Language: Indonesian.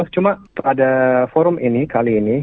cuma ada forum ini kali ini